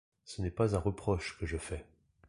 Ce n’est pas un reproche que je fais.